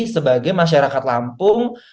sebagai masyarakat lampung